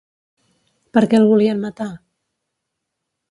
Per què el volien matar?